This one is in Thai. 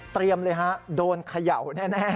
เตรียมเลยฮะโดนเขย่าแน่